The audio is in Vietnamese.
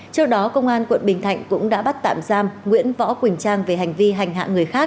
trước đó công an quận bình thạnh cũng đã bắt tạm giam nguyễn võ quỳnh trang về hành vi hành hạ người khác